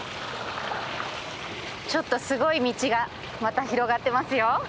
ちょっとすごい道がまた広がってますよ。